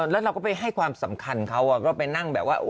แล้วเราก็ไปให้ความสำคัญเขาก็ไปนั่งแบบว่า